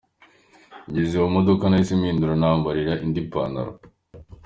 Ngeze mu modoka nahise mpindura nambara indi pantaro”.